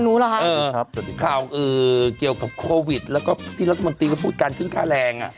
เวลาที่คราวคือเกี่ยวกับโควิดแล้วก็ที่รัฐมนตรีพูดการขึ้นค่าแรง